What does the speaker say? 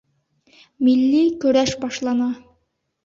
— Милли көрәш башлана!..